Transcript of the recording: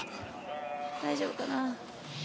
大丈夫かな。